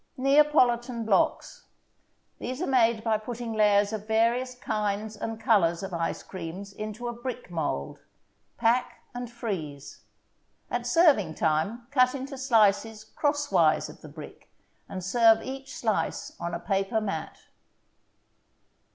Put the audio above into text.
NEAPOLITAN BLOCKS These are made by putting layers of various kinds and colors of ice creams into a brick mold. Pack and freeze. At serving time, cut into slices crosswise of the brick, and serve each slice on a paper mat.